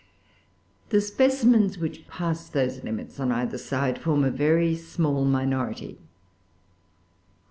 The specimens which pass those limits on either side form a very small minority.